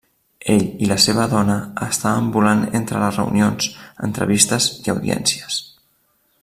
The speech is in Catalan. Ell i la seva dona estaven volant entre les reunions, entrevistes i audiències.